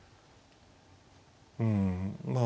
うんまあ